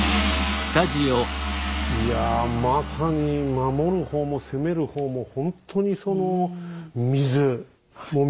いやまさに守る方も攻める方もほんとにその水。